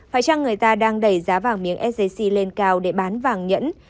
phải chăng người ta đang đẩy giá vàng miếng sgc lên cao để bán vàng nhẫn